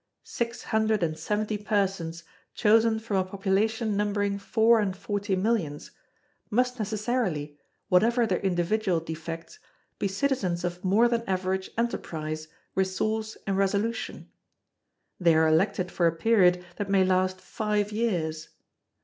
Six hundred and seventy persons chosen from a population numbering four and forty millions, must necessarily, whatever their individual defects, be citizens of more than average enterprise, resource, and resolution. They are elected for a period that may last five years.